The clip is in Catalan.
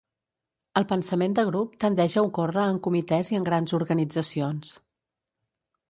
El pensament de grup tendeix a ocórrer en comitès i en grans organitzacions.